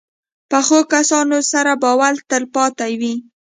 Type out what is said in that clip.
پخو کسانو سره باور تل پاتې وي